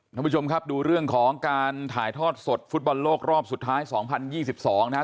ค่ะทุกผู้ชมครับดูเรื่องของการถ่ายทอดสดฟุตบอลโลกรอบสุดท้ายสองพันยี่สิบสองนะฮะ